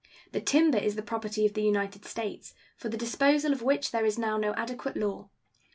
The timber is the property of the United States, for the disposal of which there is now no adequate law.